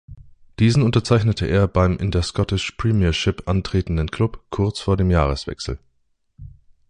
Diesen unterzeichnete er beim in der Scottish Premiership antretenden Klub kurz vor dem Jahreswechsel.